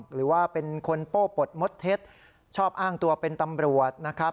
หรือว่าเป็นคนโป้ปลดมดเท็จชอบอ้างตัวเป็นตำรวจนะครับ